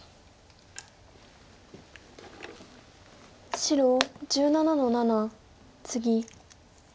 白１７の七ツギ。